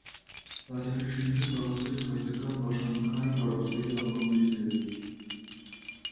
Տաճարի շենքը կառուցված է հայկական պաշտամունքային կառույցների ավանդույթներով։